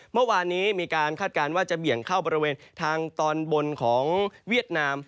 เมื่อวานนี้มีการคาดการณ์ว่าจะเบี่ยงเข้าบริเวณทางตอนบนของเวียดนาม